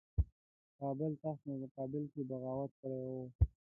کابل تخت په مقابل کې بغاوت کړی وو.